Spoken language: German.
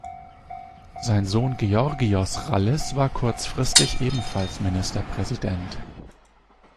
Sein Sohn Georgios Rallis war kurzfristig ebenfalls Ministerpräsident.